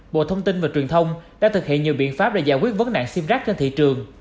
bộ thông tin và truyền thông đã thực hiện nhiều biện pháp để giải quyết vấn nạn sim rác trên thị trường